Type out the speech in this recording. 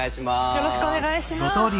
よろしくお願いします。